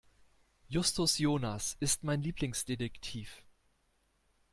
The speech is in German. Justus Jonas ist mein Lieblingsdetektiv.